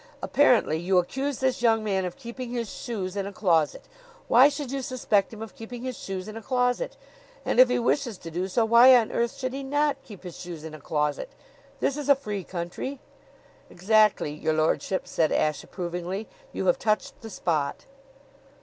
Apparently you accuse this young man of keeping his shoes in a closet. Why should you suspect him of keeping his shoes in a closet? And if he wishes to do so, why on earth should not he keep his shoes in a closet? This is a free country." "Exactly, your lordship," said Ashe approvingly. "You have touched the spot."